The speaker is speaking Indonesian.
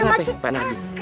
kenapa pak narji